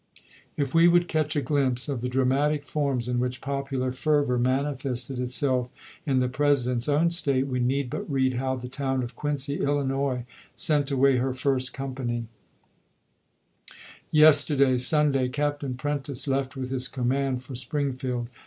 If we would catch a glimpse of the dramatic forms in which popular fervor manifested itself in the President's own State, we need but read how the town of Quincy, Illinois, sent away her first company : Yesterday, Sunday, Captain Prentiss left with his com mand for Springfield.